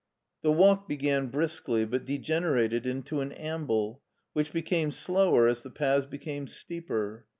The walk began briskly, but degenerated into an amble, which became slower as the paths became steeper.